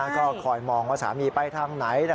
ก็คอยมองว่าสามีไปทางไหน